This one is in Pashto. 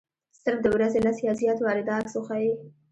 صرف د ورځې لس یا زیات وارې دا عکس وښيي.